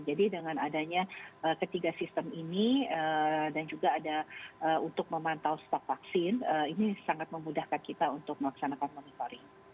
jadi dengan adanya ketiga sistem ini dan juga ada untuk memantau stok vaksin ini sangat memudahkan kita untuk melaksanakan monitoring